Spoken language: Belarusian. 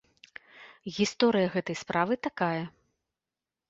Гісторыя гэтай справы такая.